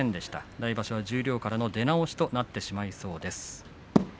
来場所は十両からの出直しとなってしまいそうです。